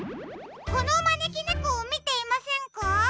このまねきねこをみていませんか？